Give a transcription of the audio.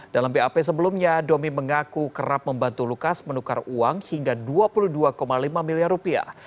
dalam bap sebelumnya domi mengaku kerap membantu lukas menukar uang hingga dua puluh dua lima miliar rupiah